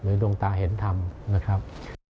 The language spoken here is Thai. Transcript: ดวงตาเห็นธรรมนะครับ